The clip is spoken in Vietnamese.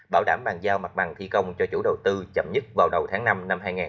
bảo đảm bàn giao mặt bằng thi công cho chủ đầu tư chậm nhất vào đầu tháng năm năm hai nghìn hai mươi